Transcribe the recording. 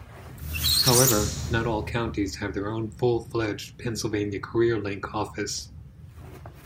However, not all counties have their own full-fledged Pennsylvania CareerLink office.